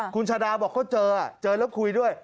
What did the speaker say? คุณชาดาบอกเขาเจอเจอแล้วคุยด้วย